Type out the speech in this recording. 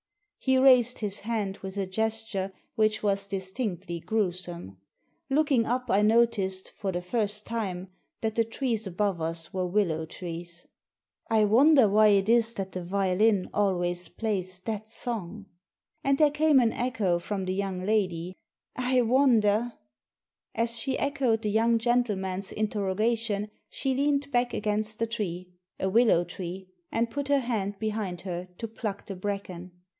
He raised his hand with a gesture which was dis tinctly gruesome. Looking up I noticed, for the first time, that the trees above us were willow trees. " I wonder why it is that the violin always plays that song?" And there came an echo from the young lady —" I wonder I " As she echoed the young gentleman's interroga Digitized by VjOOQIC 114 THE SEEN AND THE UNSEEN tion she leaned back agaihst the tree — a willow tree — and put her hand behind her to pluck the bracken.